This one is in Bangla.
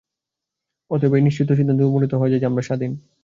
অতএব এই নিশ্চিত সিদ্ধান্তে উপনীত হওয়া যায় যে, আমরা স্বাধীন।